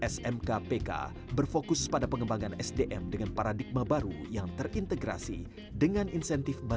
smkpk berfokus pada pengembangan sdm dengan paradigma baru yang terintegrasi dengan insentif